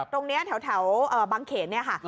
ตรงเนี้ยแถวแถวบังเขตเนี้ยค่ะ